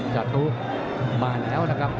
จาตุมาแล้วนะครับ